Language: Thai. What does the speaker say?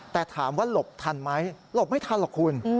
แต่ถามว่าหลบทันไหมหลบไม่ทันหรอกคุณ